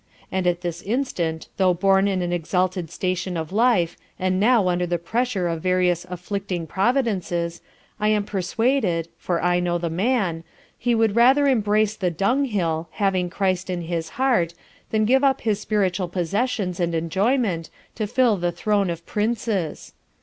And at this Instant, though born in an exalted Station of Life, and now under the Pressure of various afflicting Providences, I am persuaded (for I know the Man) he would rather embrace the Dung hill, having Christ in his Heart, than give up his spiritual Possessions and Enjoyment, to fill the Throne of Princes.